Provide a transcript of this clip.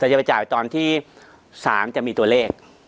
จะไปจ่ายตอนที่๓จะมีตัวเลข